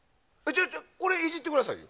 これ、いじってくださいよ。